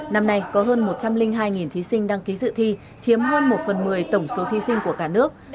năm nay có hơn một trăm linh hai thí sinh đăng ký dự thi chiếm hơn một phần một mươi tổng số thí sinh của cả nước